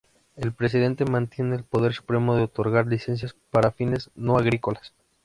El presidente mantiene el poder supremo de otorgar licencias para fines no agrícolas.